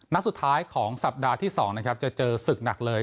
นัดสุดท้ายของสัปดาห์ที่๒นะครับจะเจอศึกหนักเลย